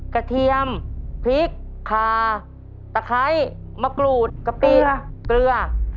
เทียมพริกคาตะไคร้มะกรูดกะเปียเกลือ